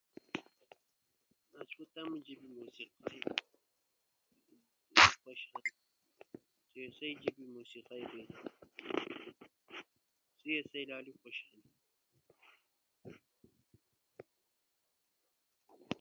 اسوة تمو جیب موسقی خوشرون کی اسی تمو جیب لالی خوشہنی